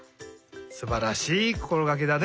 すばらしいこころがけだね。